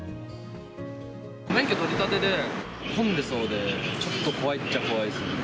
免許取り立てで、混んでそうで、ちょっと怖いっちゃ怖いですね。